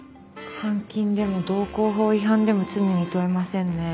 監禁でも道交法違反でも罪に問えませんね。